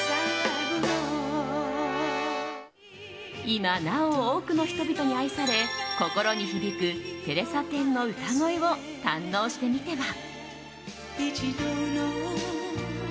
今なお多くの人々に愛され心に響くテレサ・テンの歌声を堪能してみては？